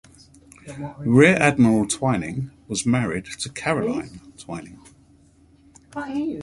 Rear Adm. Twining was married to Caroline Twining.